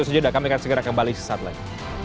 ustaz yudha kami akan segera kembali saat lain